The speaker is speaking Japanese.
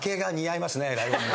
ライオンも。